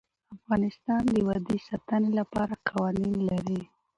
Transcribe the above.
افغانستان د وادي د ساتنې لپاره قوانین لري.